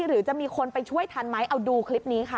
หรือจะมีคนไปช่วยทันไหมเอาดูคลิปนี้ค่ะ